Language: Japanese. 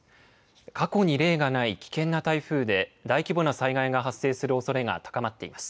過去に例がない危険な台風で、大規模な災害が発生するおそれが高まっています。